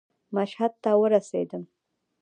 مشهد ته ورسېدم.